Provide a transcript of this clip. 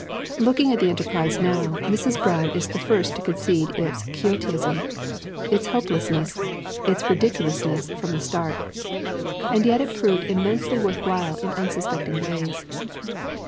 Looking at the enterprise now Mrs. Brown is the first to concede its quixotism, its hopelessness, its ridiculousness from the start. And yet it proved im mensely worth while in unsuspected ways.